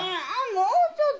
もうちょっと！